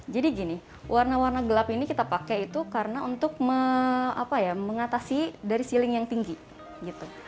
jadi gini warna warna gelap ini kita pakai itu karena untuk mengatasi dari ceiling yang tinggi gitu